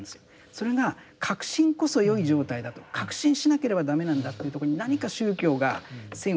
それが確信こそ良い状態だと確信しなければ駄目なんだっていうとこに何か宗教が線を引いてきたんじゃないか。